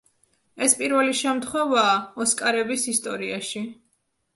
ეს პირველი შემთხვევაა „ოსკარების“ ისტორიაში.